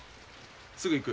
すぐ行く。